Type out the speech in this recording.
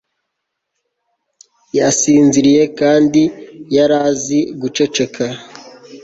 yasinziriye kandi yari azi guceceka